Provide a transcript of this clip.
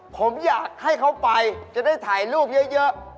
ผมอยากให้เขาไปจะได้ถ่ายรูปเยอะ